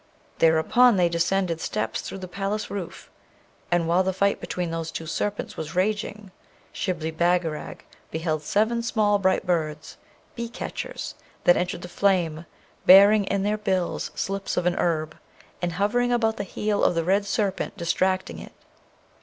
Thereupon they descended steps through the palace roof, and while the fight between those two serpents was rageing, Shibli Bagarag beheld seven small bright birds, bee catchers, that entered the flame, bearing in their bills slips of a herb, and hovering about the heal of the red serpent, distracting it.